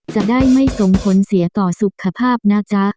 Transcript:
จะได้ไม่ส่งผลเสียต่อสุขภาพนะจ๊ะ